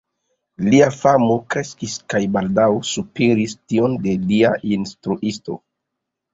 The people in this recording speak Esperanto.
Lia famo kreskis kaj baldaŭ superis tion de lia instruisto.